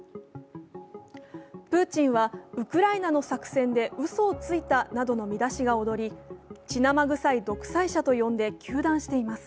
プーチンはウクライナの作戦でうそをついたなどの見出しが躍り血生臭い独裁者と呼んで糾弾しています。